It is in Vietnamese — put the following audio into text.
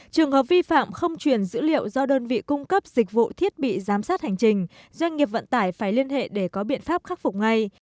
trường hợp vi phạm không truyền dữ liệu do đơn vị cung cấp dịch vụ thiết bị giám sát hành trình doanh nghiệp vận tải phải liên hệ để có biện pháp khắc phục ngay